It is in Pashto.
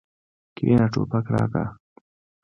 کېنه ټوپک راکړه.